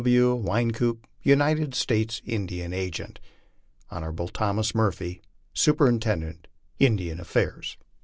W. WYNKOOP, United States Indian Agent. Hon. THOMAS MURPHY, Superintendent Indian Affairs.